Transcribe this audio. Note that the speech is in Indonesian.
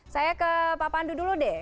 saya ke pak pandu dulu deh